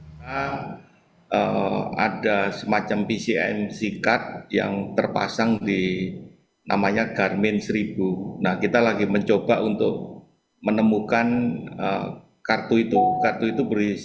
ketua knkt suryanto bilang pcmc card yang saat ini tengah dicari oleh knkt memuat data penerbangan pesawat tec enam yang jatuh di bsd